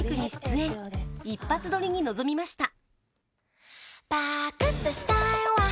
一発撮りに臨みました。